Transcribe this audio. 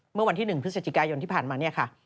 เมื่อวันที่๑พฤศจิกายนที่ผ่านมา